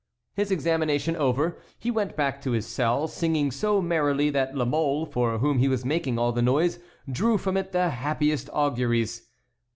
His examination over, he went back to his cell, singing so merrily that La Mole, for whom he was making all the noise, drew from it the happiest auguries.